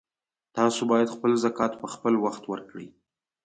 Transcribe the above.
تاسو باید خپل زکات په خپلوخت ورکړئ